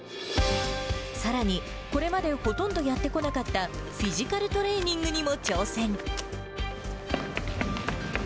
さらに、これまでほとんどやってこなかった、フィジカルトレーニングにも挑戦。